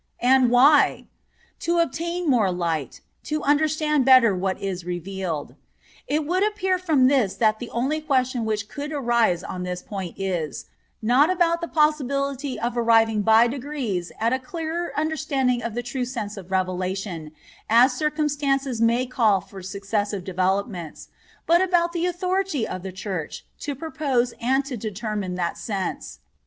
And why? To obtain more light; to understand better what is revealed. It would appear from this that the only question which could arise on this point is, not about the possibility of arriving by degrees at a clearer understanding of the true sense of revelation, as circumstances may call for successive developments, but about the authority of the Church to propose and to determine that sense.